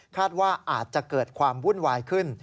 ว่าอาจจะเกิดความวุ่นวายขึ้น